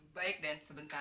baik den sebentar